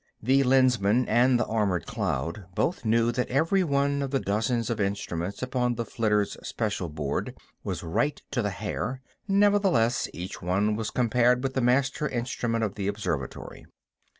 The Lensman and the armored Cloud both knew that every one of the dozens of instruments upon the flitter's special board was right to the hair; nevertheless each one was compared with the master instrument of the observatory.